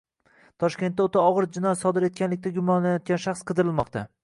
Toshkentda o‘ta og‘ir jinoyat sodir etganlikda gumonlanayotgan shaxs qidirilmoqda